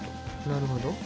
なるほど。